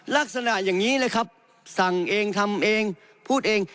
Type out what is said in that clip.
ลักษณะอย่างนี้เลยครับสั่งเองทำเองพูดเอง